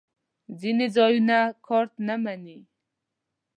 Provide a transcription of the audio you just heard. ځینې ځایونه کارت نه منی